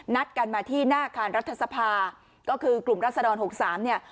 นัดกันมาที่หน้าอาคารรัฐสภาก็คือกลุ่มรัศดร๖๓เนี่ย